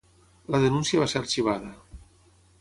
La denúncia va ser arxivada.